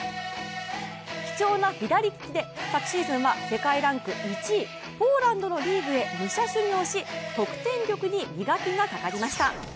貴重な左利きで昨シーズンは世界ランク１位ポーランドのリーグへ武者修行し得点力に磨きがかかりました。